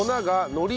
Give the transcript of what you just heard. のり？